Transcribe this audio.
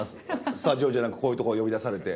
スタジオじゃなくこういう所に呼び出されて。